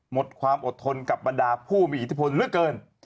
หมดความอดทนกับบรรดาผู้มีอิทธิพลเหลือเกิน